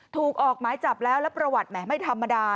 ออกหมายจับแล้วแล้วประวัติแหมไม่ธรรมดา